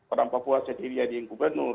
orang papua sendiri jadiin gubernur